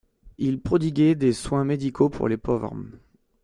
Il prodiguait des soins médicaux pour les pauvres.